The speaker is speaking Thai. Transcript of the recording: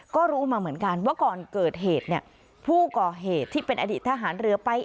ก็รู้มาเหมือนกันว่าก่อนเกิดเหตุเนี่ยผู้ก่อเหตุที่เป็นอดีตทหารเรือไป